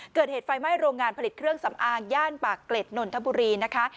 เกิดเหตุไฟไหม้โรงงานผลิตเครื่องสำอางย่านปากเกร็ดนนทบุรีนะคะ